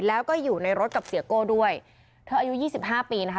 แล้วก็อยู่ในรถกับเสียโก้ด้วยเธออายุ๒๕ปีนะครับ